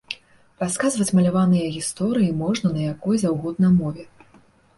Расказваць маляваныя гісторыі можна на якой заўгодна мове.